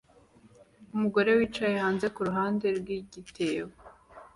Umugore yicaye hanze kuruhande rwigitebo